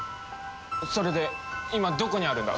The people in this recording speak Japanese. それで今どこにあるんだ？